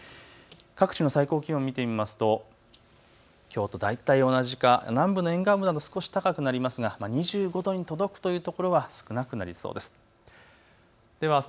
各地の最高気温、見てみますときょうと大体同じか南部の沿岸部など少し高くなりますが２５度に届くというところは少なくなりそうです。